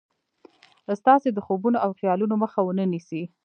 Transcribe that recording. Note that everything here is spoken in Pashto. ستاسې د خوبونو او خيالونو مخه و نه نيسي.